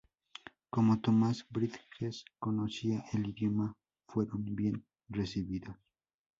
Como Thomas Bridges conocía el idioma, fueron bien recibidos.